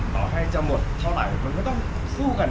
ต่อให้จะหมดเท่าไหร่มันก็ต้องสู้กัน